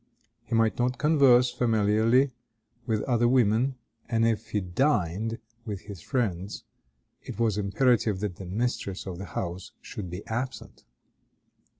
He might not converse familiarly with other women, and if he dined with his friends, it was imperative that the mistress of the house should be absent.